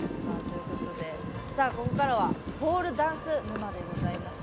ここからはポールダンス沼でございます。